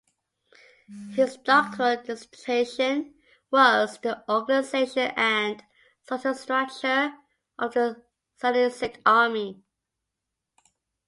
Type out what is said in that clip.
His doctoral dissertation was "The Organization and Social Structure of the Seleucid Army".